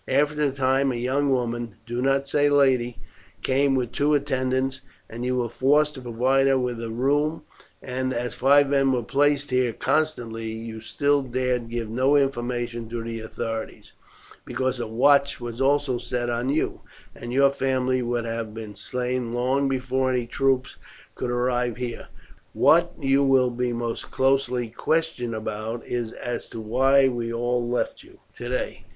After a time a young woman do not say lady came with two attendants, and you were forced to provide her with a room; and as five men were placed here constantly, you still dared give no information to the authorities, because a watch was also set on you, and your family would have been slain long before any troops could arrive here. What you will be most closely questioned about is as to why we all left you today.